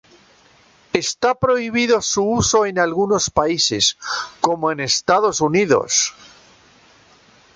Está prohibido su uso en algunos países, como en Estados Unidos.